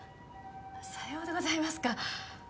さようでございますか。